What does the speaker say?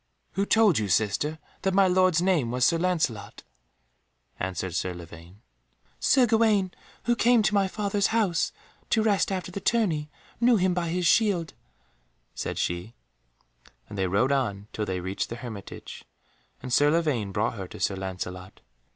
"Who told you, sister, that my lord's name was Sir Lancelot?" answered Sir Lavaine. "Sir Gawaine, who came to my father's house to rest after the tourney, knew him by his shield," said she, and they rode on till they reached the hermitage, and Sir Lavaine brought her to Sir Lancelot.